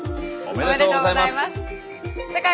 おめでとうございます！